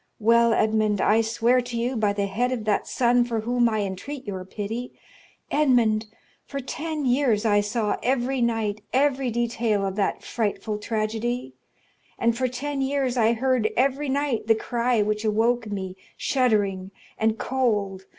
Well, Edmond, I swear to you, by the head of that son for whom I entreat your pity,—Edmond, for ten years I saw every night every detail of that frightful tragedy, and for ten years I heard every night the cry which awoke me, shuddering and cold.